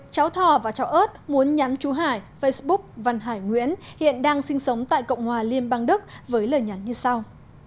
cháu thò và cháu ớt muốn nhắn chú hải facebook văn hải nguyễn hiện đang sinh sống tại cộng hòa liên bang đức với lời nhắn như sau